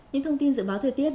những thông tin dự báo thời tiết